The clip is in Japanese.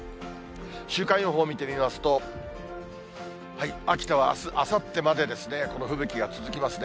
週間予報見てみますと、秋田はあす、あさってまで、この吹雪が続きますね。